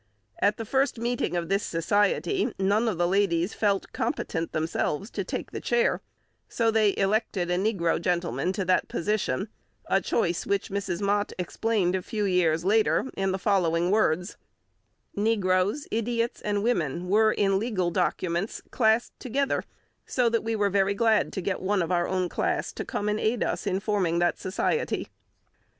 At the first meeting of this society, none of the ladies felt competent themselves to take the chair, so they elected a negro gentleman to that position, a choice which Mrs. Mott explained a few years later in the following words: "Negroes, idiots, and women were in legal documents classed together; so that we were very glad to get one of our own class to come and aid us in forming that society."